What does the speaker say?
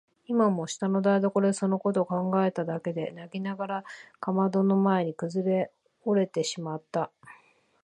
今も下の台所でそのことを考えただけで泣きながらかまどの前にくずおれてしまった。